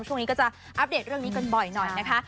ช่วงนี้ก็จะอัปเดตเรื่องนี้กันบ่อยหน่อยนะคะ